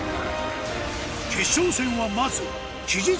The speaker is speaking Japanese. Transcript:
決勝戦はまず記述